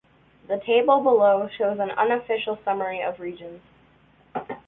The table below shows an unofficial summary of regions.